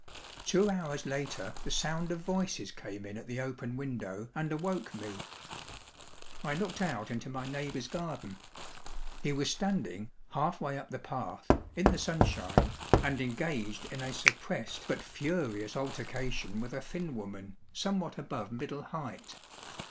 Two hours later the sound of voices came in at the open window and awoke me. I looked out into my neighbour's garden. He was standing, half way up the path, in the sunshine, and engaged in a suppressed but furious altercation with a thin woman, somewhat above middle height.